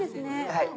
はい。